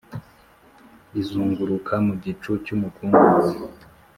izunguruka mu gicu cyumukungugu